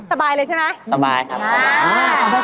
สบายเลยใช่ไหมสบายครับ